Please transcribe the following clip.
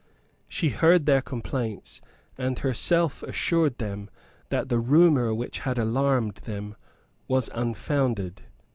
She heard their complaints, and herself assured them that the rumour which had alarmed them was unfounded.